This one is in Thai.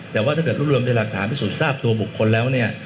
แต่ว่าถ้าเกิดรวบรวมด้วยหลักฐานพิสูจน์ทราบตัวบุคคลแล้วเนี่ย